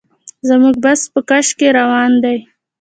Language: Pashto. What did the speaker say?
زموږ بس په کش کې روان دی.